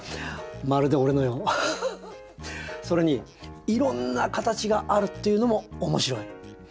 それにいろんな形があるっていうのも面白い。